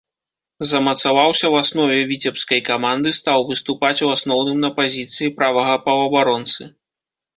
Замацаваўся ў аснове віцебскай каманды, стаў выступаць у асноўным на пазіцыі правага паўабаронцы.